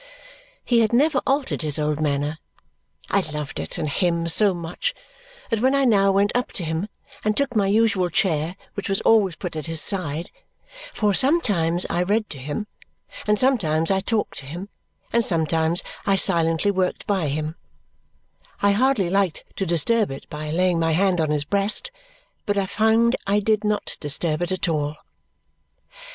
He had never yet altered his old manner. I loved it and him so much that when I now went up to him and took my usual chair, which was always put at his side for sometimes I read to him, and sometimes I talked to him, and sometimes I silently worked by him I hardly liked to disturb it by laying my hand on his breast. But I found I did not disturb it at all.